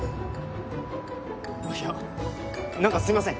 いや何かすいません